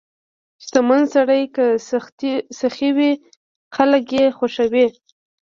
• شتمن سړی که سخي وي، خلک یې خوښوي.